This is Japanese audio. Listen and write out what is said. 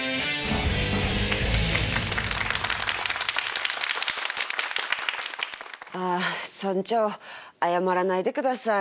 だから村長謝らないでください。